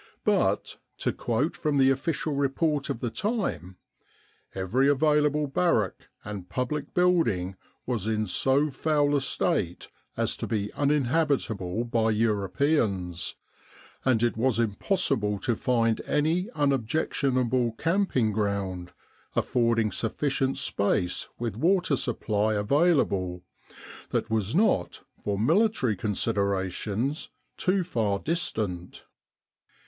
But to quote from the official report of the time "every available barrack and public building was in so foul a state as to be uninhabitable by Europeans, and it was impossible to find any unobjectionable camping ground, affording sufficient space with water supply available, that was not, for military considerations, too far distant.'